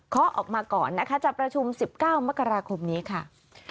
ออกมาก่อนนะคะจะประชุม๑๙มกราคมนี้ค่ะ